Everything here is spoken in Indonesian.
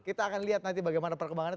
kita akan lihat nanti bagaimana perkembangannya